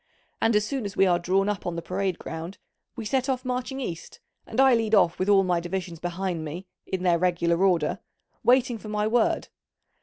And as soon as we are drawn up on the parade ground we set off marching east, and I lead off with all my divisions behind me, in their regular order, waiting for my word.